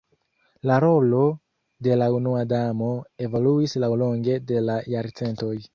La rolo de la Unua Damo evoluis laŭlonge de la jarcentoj.